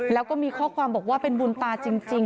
แล้วก็มีข้อความบอกว่าเป็นบุญตาจริง